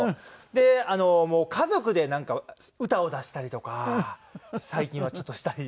でもう家族でなんか歌を出したりとか最近はちょっとしたり。